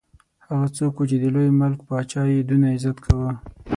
هغه څوک وو چې د لوی ملک پاچا یې دونه عزت کاوه.